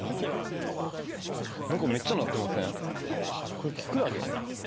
これキクラゲ？